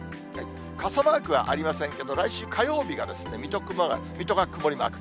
傘マークはありませんけれども、来週火曜日が水戸、熊谷、水戸が曇りマーク、